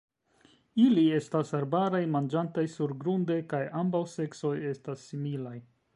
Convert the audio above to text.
Ili estas arbaraj, manĝantaj surgrunde, kaj ambaŭ seksoj estas similaj.